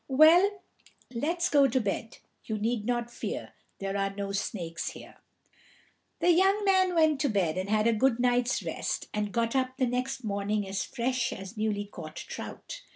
"Well, let's go to bed. You need not fear. There are no snakes here." The young man went to bed, and had a good night's rest, and got up the next morning as fresh as newly caught trout.